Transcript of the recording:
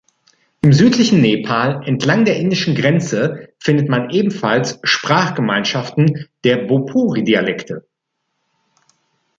Im südlichen Nepal entlang der indischen Grenze findet man ebenfalls Sprachgemeinschaften der Bhojpuri-Dialekte.